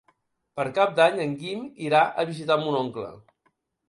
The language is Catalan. Per Cap d'Any en Guim irà a visitar mon oncle.